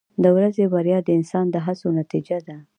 • د ورځې بریا د انسان د هڅو نتیجه ده.